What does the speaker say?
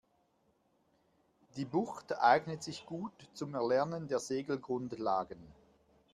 Die Bucht eignet sich gut zum Erlernen der Segelgrundlagen.